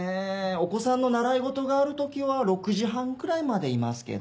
お子さんの習い事がある時は６時半くらいまでいますけど。